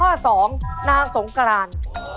ข้อสองนางทรงกรรณ